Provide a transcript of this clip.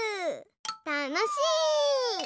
たのしい！